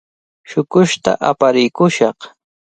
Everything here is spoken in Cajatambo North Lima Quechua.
Shuqushta aparikushaq.